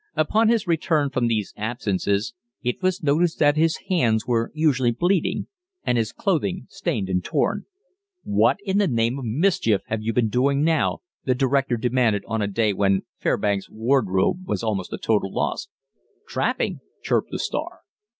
Upon his return from these absences, it was noticed that his hands were usually bleeding, and his clothing stained and torn. "What in the name of mischief have you been doing now?" the director demanded on a day when Fairbanks's wardrobe was almost a total loss. "Trappin'," chirped the star.